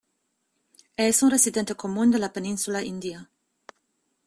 Es un residente común de la península india.